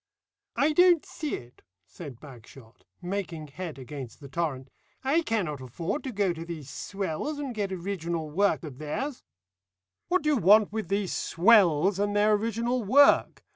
"I don't see it," said Bagshot, making head against the torrent. "I cannot afford to go to these swells and get original work of theirs " "What do you want with 'these swells' and their original work?"